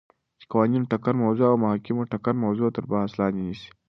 چی قوانینو ټکر موضوع او محاکمو د ټکر موضوع تر بحث لاندی نیسی ،